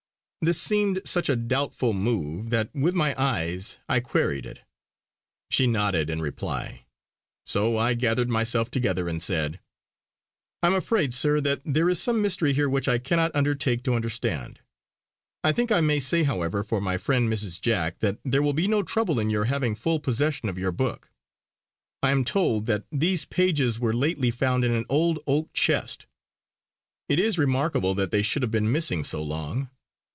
This seemed such a doubtful move that with my eyes I queried it. She nodded in reply. So I gathered myself together and said: "I'm afraid, sir, that there is some mystery here which I cannot undertake to understand. I think I may say, however, for my friend Mrs. Jack, that there will be no trouble in your having full possession of your book. I am told that these pages were lately found in an old oak chest. It is remarkable that they should have been missing so long.